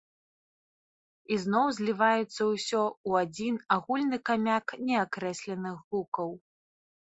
І зноў зліваецца ўсё ў адзін агульны камяк неакрэсленых гукаў.